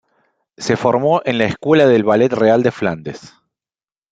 Se formó en la Escuela del Ballet Real de Flandes.